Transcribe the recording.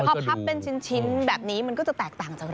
พอพับเป็นชิ้นแบบนี้มันก็จะแตกต่างจากนั้น